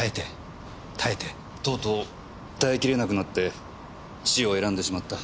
とうとう耐えきれなくなって死を選んでしまった。